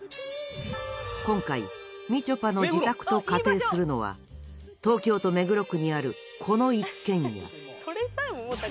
今回みちょぱの自宅と仮定するのは東京都目黒区にあるこの一軒家。